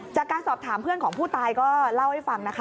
จากการสอบถามเพื่อนของผู้ตายก็เล่าให้ฟังนะคะ